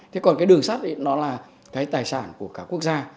thế còn cái đường sắt ấy nó là cái tài sản của cả quốc gia